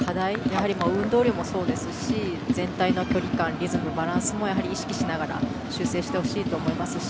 やはり運動量もそうですし全体の距離感リズム、バランスも意識して修正してほしいと思います。